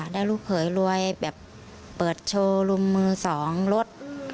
แล้วลูกเขยรวยแบบเปิดโชว์ลุมมือสองรถ